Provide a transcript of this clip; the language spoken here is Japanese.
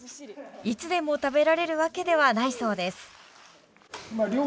いつでも食べられるわけではないそうです。